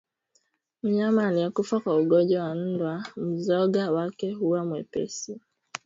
Mnyama aliyekufa kwa ugonjwa wa ndwa mzoga wake huwa mwepesi